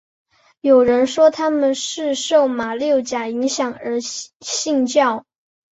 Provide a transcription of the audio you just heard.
有人说他们是受马六甲影响而信教。